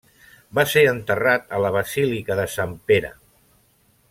Va ser enterrat a la basílica de Sant Pere.